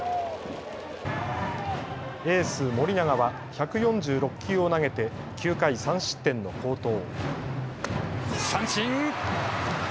エース盛永は１４６球を投げて９回３失点の好投。